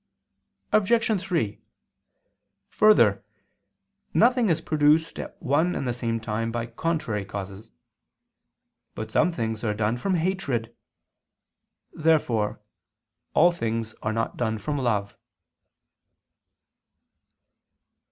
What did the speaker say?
Obj. 3: Further, nothing is produced at one and the same time by contrary causes. But some things are done from hatred. Therefore all things are not done from love.